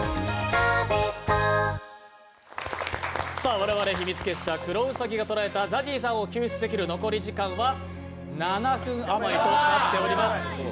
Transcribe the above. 我々秘密結社クロウサギが捕らえたＺＡＺＹさんを救出できる残り時間は７分余りとなっております